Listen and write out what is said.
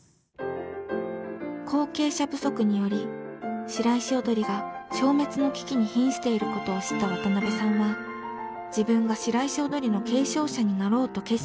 後継者不足により白石踊が消滅の危機にひんしていることを知った渡辺さんは自分が白石踊の継承者になろうと決心します。